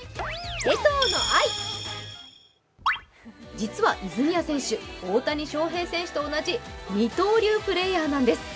実は泉谷選手、大谷翔平選手と同じ二刀流プレーヤーなんです。